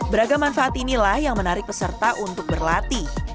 beragam manfaat inilah yang menarik peserta untuk berlatih